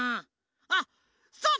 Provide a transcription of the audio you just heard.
あっそうだ！